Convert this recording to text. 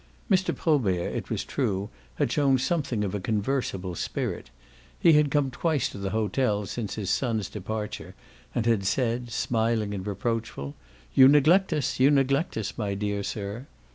Mr. Probert, it was true, had shown something of a conversible spirit; he had come twice to the hotel since his son's departure and had said, smiling and reproachful, "You neglect us, you neglect us, my dear sir!"